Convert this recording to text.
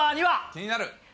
気になる。